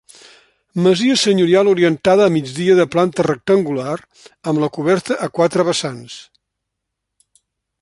Masia senyorial orientada a migdia de planta rectangular amb la coberta a quatre vessants.